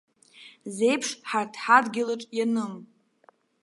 Зеиԥш ҳарҭ ҳадгьылаҿ ианым.